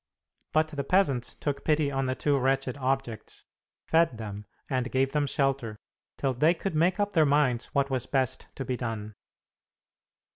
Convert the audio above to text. But the peasants took pity on the two wretched objects, fed them and gave them shelter, till they could make up their minds what was best to be done.